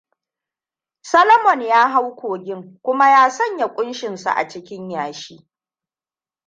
Salmon ya hau kogin kuma ya sanya ƙoshinsu a cikin yashi.